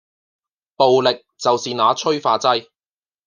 暴力就是那催化劑